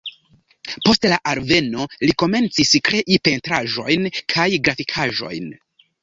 Post la alveno li komencis krei pentraĵojn kaj grafikaĵojn.